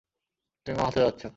তুমি মা হতে যাচ্ছো।